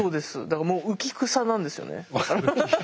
だから浮き草なんですよね。